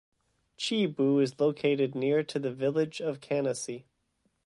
Quibou is located near to the village of Canisy.